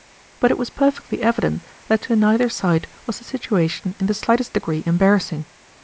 But it was perfectly evident that to neither side was the situation in the slightest degree embarrassing.